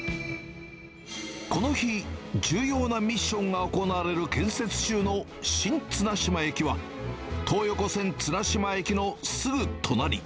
この日、重要なミッションが行われる建設中の新綱島駅は、東横線綱島駅のすぐ隣。